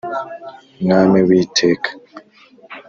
Mwami W Iteka